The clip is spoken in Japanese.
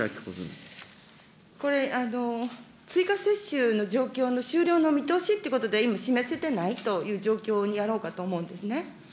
これ、追加接種の状況の終了の見通しということで、今、示せてないという状況にあろうかと思うんですね。